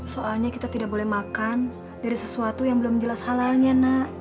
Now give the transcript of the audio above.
soalnya kita tidak boleh makan dari sesuatu yang belum jelas halalnya nak